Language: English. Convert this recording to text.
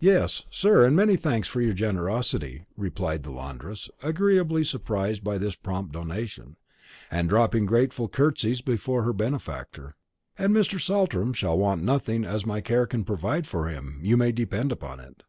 "Yes, sir; and many thanks for your generosity," replied the laundress, agreeably surprised by this prompt donation, and dropping grateful curtseys before her benefactor; "and Mr. Saltram shall want nothing as my care can provide for him, you may depend upon it."